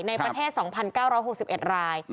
ในประเทศ๒๙๖๑ราย